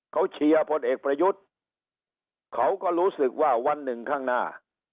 เขาเชียร์พลเอกประยุทธ์เขาก็รู้สึกว่าวันหนึ่งข้างหน้า